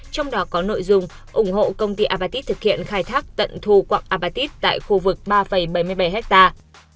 trong đó có nội dung ủng hộ công ty avatit thực hiện khai thác tận thu quạng apatit tại khu vực ba bảy mươi bảy hectare